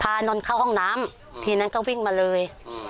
นนท์เข้าห้องน้ำทีนั้นก็วิ่งมาเลย